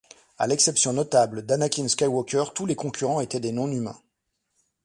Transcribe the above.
À l'exception notable d'Anakin Skywalker, tous les concurrents étaient des non-humains.